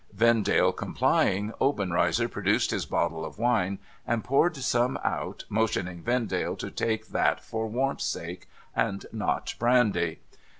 Vendale complying, Obenreizer produced his bottle of wine, and poured some out, motioning Vendale to take that for warmth's sake, and not brandy.